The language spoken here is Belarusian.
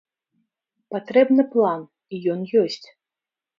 Патрэбны план, і ён ёсць.